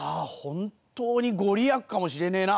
本当に御利益かもしれねえな。